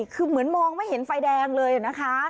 คือเหมือนมองไม่เห็นไฟแดงเลยนะคะ